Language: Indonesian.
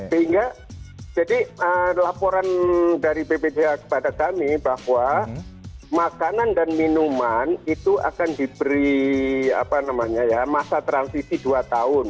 sehingga jadi laporan dari bpj kepada kami bahwa makanan dan minuman itu akan diberi masa transisi dua tahun